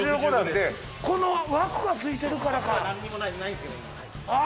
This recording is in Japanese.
この枠がついてるからか枠が何にもないあ